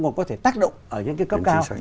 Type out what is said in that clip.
mà có thể tác động ở những cái cấp cao